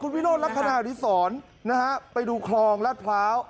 คุณวิรอดรัฐคณะอดีตศรไปดูครองราชพร้าว